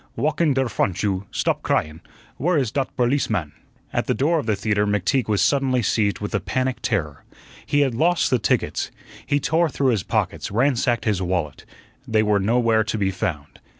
Walk in der front, you; stop cryun. Where is dot berliceman?" At the door of the theatre McTeague was suddenly seized with a panic terror. He had lost the tickets. He tore through his pockets, ransacked his wallet. They were nowhere to be found.